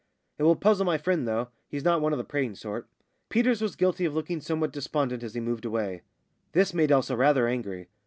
It will puzzle my friend, though he's not one of the praying sort." Peters was guilty of looking somewhat despondent as he moved away; this made Elsa rather angry.